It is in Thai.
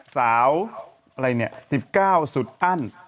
สาวอะไรเนี่ย๑๙สุดอั้น